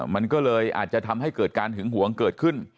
มันก็เลยอาจจะทำให้เกิดการหึงหวงเกิดขึ้น